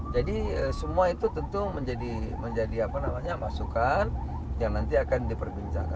jadi semua itu tentu menjadi apa namanya masukan yang nanti akan diperbincangkan